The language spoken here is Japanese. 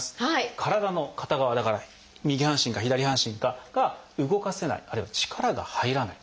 「体の片側」だから右半身か左半身かが「動かせない」あるいは「力が入らない」。